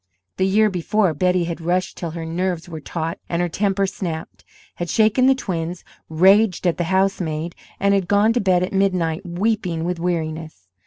The year before, Betty had rushed till her nerves were taut and her temper snapped, had shaken the twins, raged at the housemaid, and had gone to bed at midnight weeping with weariness.